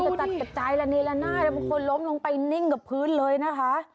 กระจัดกระจายระเนละหน้าแล้วบางคนล้มลงไปนิ่งกับพื้นเลยนะคะ